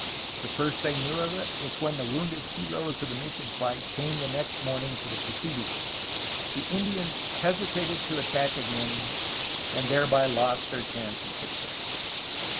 The first they knew of it was when the wounded heroes of the mission fight came next morning to the presidio. The Indians hesitated to attack again, and thereby lost their chance of success.